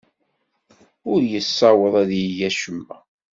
Ur yessawaḍ ad yeg acemma.